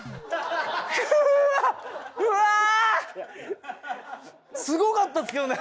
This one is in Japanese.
うわー！すごかったですけどね。